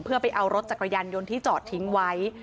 เพื่อไปเอารถจักรยานยนต์ที่จอดทิ้งไว้